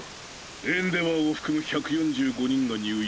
エンデヴァーを含む１４５人が入院。